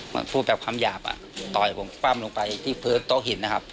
มันสู้แบบความหยาบต่อยผมปั้มลงไปที่พื้นโต๊ะหิน